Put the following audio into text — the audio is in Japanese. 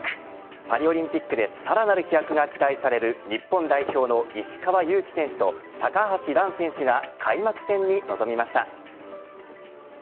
パリオリンピックでさらなる飛躍が期待される日本代表の石川祐希選手と高橋藍選手が開幕戦に臨みました。